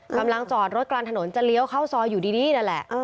กำลังจอดรถกลางถนนจะเลี้ยวเข้าซอยอยู่ดีนั่นแหละ